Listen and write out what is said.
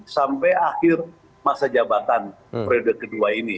sampai akhir masa jabatan periode kedua ini